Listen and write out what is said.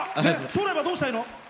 将来は、どうしたいの？